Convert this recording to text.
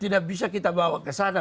tidak bisa kita bawa kesana